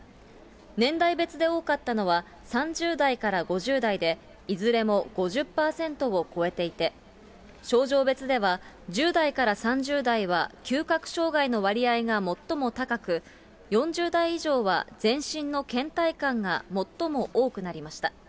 年代別で多かったのは、３０代から５０代で、いずれも５０％を超えていて、症状別では、１０代から３０代は嗅覚障害の割合が最も高く、４０代以上は全身のけん怠感が最も多くなりました。